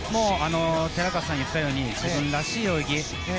寺川さんが言ったように自分らしい泳ぎ。